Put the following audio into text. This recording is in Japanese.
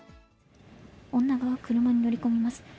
女が車に乗り込みます。